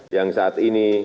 yang saat ini